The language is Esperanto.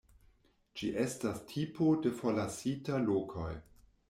Ĝi estas tipo de forlasita lokoj.